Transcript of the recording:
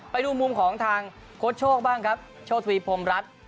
ไปดูมุมของทางโค้ชโชคบ้างครับโชธวีพรมรัฐ